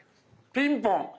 ピンポン！